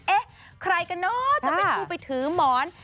เอ๊ะใครกันเนอะจะเป็นผู้ไปถือหมอน